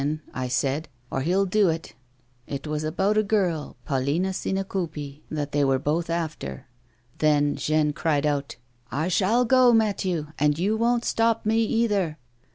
Don't go, Jean,' I said, ' or he'll do it.' It was about a girl, Paulina Sinacoupi, that they were both after. Then Jean cried out, ' I shall go, Mathieu ; and you won't stop me, either.'